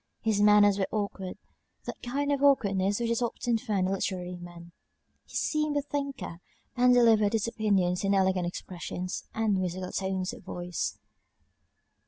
His manners were awkward, that kind of awkwardness which is often found in literary men: he seemed a thinker, and delivered his opinions in elegant expressions, and musical tones of voice.